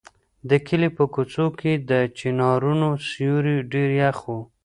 د کلي په کوڅو کې د چنارونو سیوري ډېر یخ وو.